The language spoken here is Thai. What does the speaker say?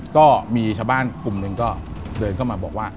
ก็มีชาวบ้านกลุ่มหนึ่งก็เดินเข้ามาบอกว่า